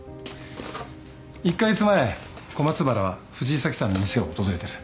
１カ月前小松原は藤井早紀さんの店を訪れてる。